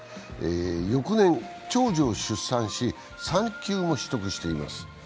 翌年、長女を出産し産休も取得しています。